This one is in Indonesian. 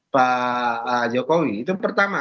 pak jokowi itu pertama